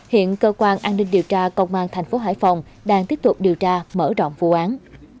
hiện cơ quan an ninh điều tra công an thành phố hải phòng đang tiếp tục điều tra mở rộng vụ án